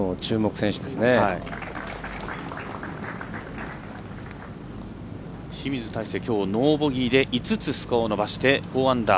清水大成きょうノーボギーで５つスコアを伸ばして４アンダー。